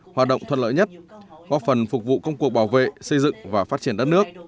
hoạt động thuận lợi nhất góp phần phục vụ công cuộc bảo vệ xây dựng và phát triển đất nước